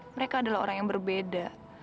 mereka adalah orang yang berbeda